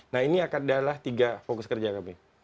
nah ini adalah tiga fokus kerja kami